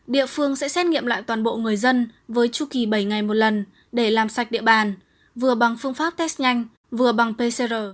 địa phương sẽ xét nghiệm lại toàn bộ người dân với chu kỳ bảy ngày một lần để làm sạch địa bàn vừa bằng phương pháp test nhanh vừa bằng pcr